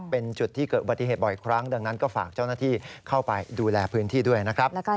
เป็นจุดที่เกิดอุบัติเหตุบ่อยครั้งดังนั้นก็ฝากเจ้าหน้าที่เข้าไปดูแลพื้นที่ด้วยนะครับ